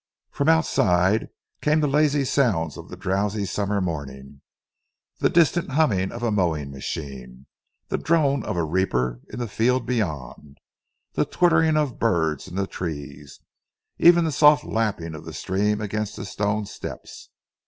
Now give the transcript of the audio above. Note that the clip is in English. From outside came the lazy sounds of the drowsy summer morning the distant humming of a mowing machine, the drone of a reaper in the field beyond, the twittering of birds in the trees, even the soft lapping of the stream against the stone steps.